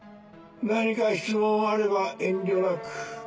何か質問あれば遠慮なく。